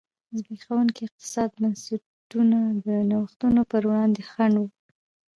زبېښونکي اقتصادي بنسټونه د نوښتونو پر وړاندې خنډ و.